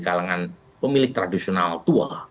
kalangan pemilih tradisional tua